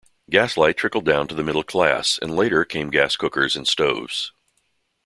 Gaslight trickled down to the middle class and later came gas cookers and stoves.